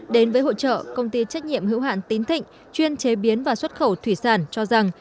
đến với hội trợ công ty trách nhiệm hữu hạn tín thịnh chuyên chế biến và xuất khẩu thủy sản cho rằng